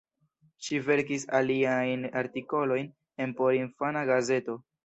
Ŝi verkis aliajn artikolojn en porinfana gazeto.